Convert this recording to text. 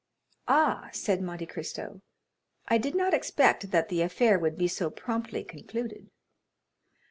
"Ah," said Monte Cristo "I did not expect that the affair would be so promptly concluded."